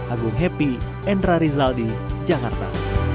agung happy endra rizal di jakarta